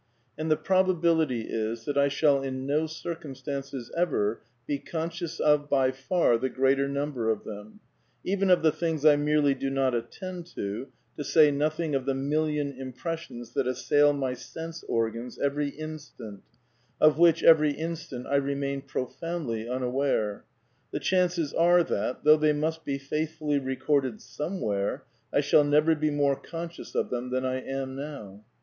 And the probability is that I shall in no circumstances ever be conscious of by far the greater number of them. Even of the things I merely do not attend to — to say nothing of the million impressions that assail my sense organs every instant, of which every instant I remain profoundly un aware — the chances are that, though they must be faith fully recorded somewhere, I shall never be more conscious of them than I am now.